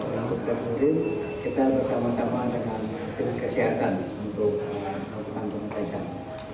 kapal kapal murid kita bersama sama dengan kesehatan untuk nantung kaisan